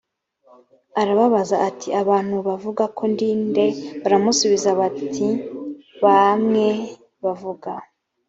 arababaza ati abantu bavuga ko ndi nde baramusubiza bati bamwe bavuga